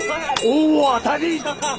大当たり！